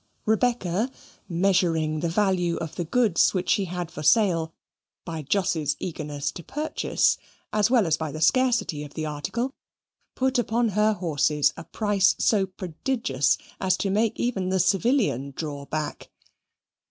Rebecca, measuring the value of the goods which she had for sale by Jos's eagerness to purchase, as well as by the scarcity of the article, put upon her horses a price so prodigious as to make even the civilian draw back.